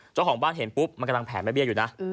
เจ้าของบ้านเห็นปุ๊บมันกำลังแผ่แม่เบี้ยอยู่นะ